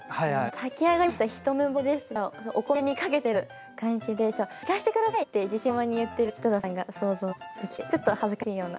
「たきあがりましたひとめぼれです」がお米にかけてる感じで「行かして下さい」って自信満々に言ってる井戸田さんが想像できてちょっと恥ずかしいような。